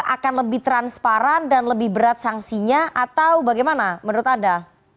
akan lebih transparan dan lebih berat sanksinya atau bagaimana menurut anda